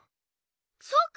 そうか！